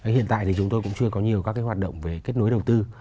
hiện tại thì chúng tôi cũng chưa có nhiều các hoạt động về kết nối đầu tư